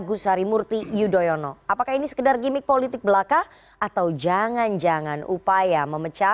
assalamualaikum buat kita semua